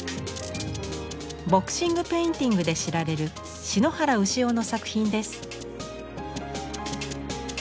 ボクシング・ペインティングで知られる篠原有司男の作品です。